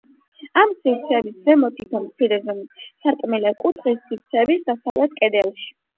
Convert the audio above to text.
ამ სივრცეების ზემოთ თითო მცირე ზომის სარკმელია კუთხის სივრცეების დასავლეთ კედელში.